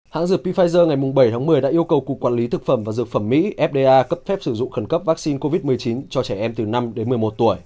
hãng dược pfizer ngày bảy tháng một mươi đã yêu cầu cục quản lý thực phẩm và dược phẩm mỹ fda cấp phép sử dụng khẩn cấp vaccine covid một mươi chín cho trẻ em từ năm đến một mươi một tuổi